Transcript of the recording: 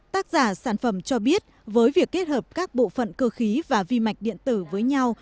tác giả sản phẩm cho biết với việc kết hợp các bộ phận cơ khí và vi mạch điện tử với nhau